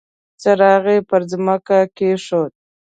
څراغ يې پر ځمکه کېښود.